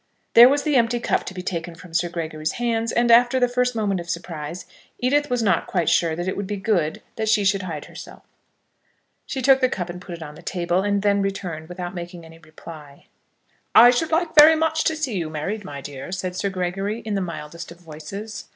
There was the empty cup to be taken from Sir Gregory's hands, and, after the first moment of surprise, Edith was not quite sure that it would be good that she should hide herself. She took the cup and put it on the table, and then returned, without making any reply. "I should like very much to see you married, my dear," said Sir Gregory, in the mildest of voices.